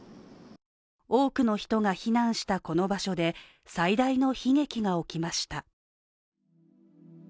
多くの人が避難したこの場所で最大の悲劇が起きました。